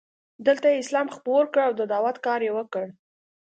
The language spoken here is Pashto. دلته یې اسلام خپور کړ او د دعوت کار یې وکړ.